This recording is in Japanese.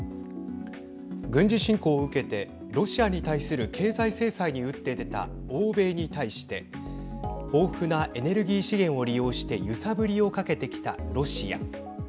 軍事侵攻を受けてロシアに対する経済制裁に打って出た欧米に対して豊富なエネルギー資源を利用して揺さぶりをかけてきたロシア。